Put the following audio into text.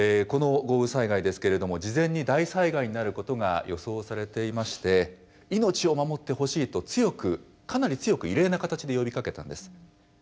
この豪雨災害ですけれども事前に大災害になることが予想されていまして命を守ってほしいと強くかなり強く異例な形で呼びかけたんです。